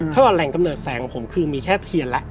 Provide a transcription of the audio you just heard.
ถ้าว่าแหล่งกำเนิดแสงของผมคือมีแค่เทียนแล้ว